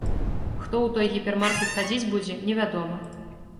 Хто ў той гіпермаркет хадзіць будзе, невядома.